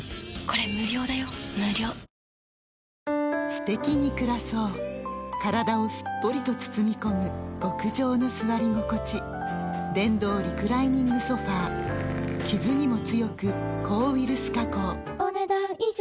すてきに暮らそう体をすっぽりと包み込む極上の座り心地電動リクライニングソファ傷にも強く抗ウイルス加工お、ねだん以上。